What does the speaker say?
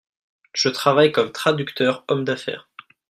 Je travaille comme (traducteur / homme d'affaires).